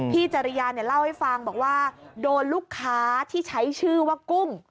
จริยาเนี่ยเล่าให้ฟังบอกว่าโดนลูกค้าที่ใช้ชื่อว่ากุ้ง